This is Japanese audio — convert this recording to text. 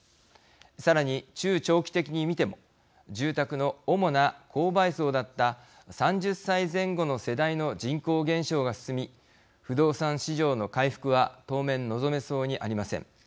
さらに、中長期的に見ても住宅の主な購買層だった３０歳前後の世代の人口減少が進み不動産市場の回復は当面、望めそうにありません。